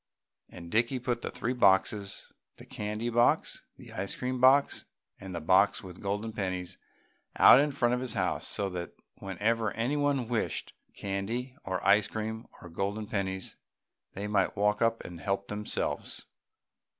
And Dickie put the three boxes the candy box, the ice cream box and the box with the golden pennies out in front of his house so that whenever anyone wished candy or ice cream or golden pennies they might walk up and help themselves.